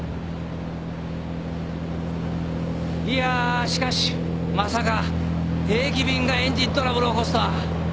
いやしかしまさか定期便がエンジントラブル起こすとは。